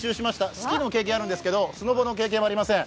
スキーの経験あるんですけど、スノボの経験はありません。